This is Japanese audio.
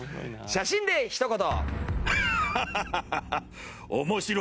写真でひと言。